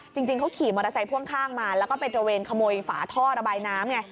จริงเขาขี่มอเตอร์ไซค์พ่วงข้างมาแล้วก็ไปตระเวนขโมยฝาท่อระบายน้ำไง